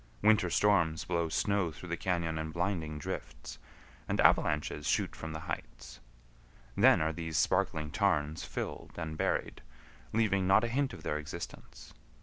Winter storms blow snow through the cañon in blinding drifts, and avalanches shoot from the heights. Then are these sparkling tarns filled and buried, leaving not a hint of their existence.